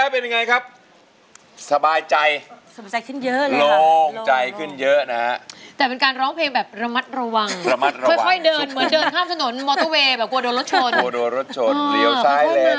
แปลวงาภาระในเขตอ้อมแทน